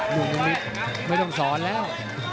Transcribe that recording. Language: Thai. ลูกลิมิตไม่ต้องสอนแล้ว